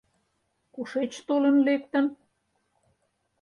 Кушеч толын лектын?